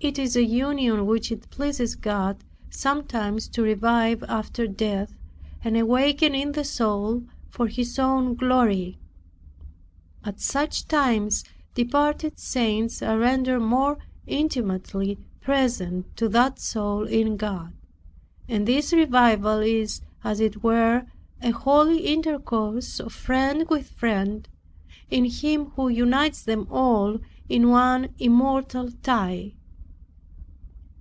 It is a union which it pleases God sometimes to revive after death, and awaken in the soul for His own glory. At such times departed saints are rendered more intimately present to that soul in God; and this revival is as it were an holy intercourse of friend with friend, in Him who unites them all in one immortal tie.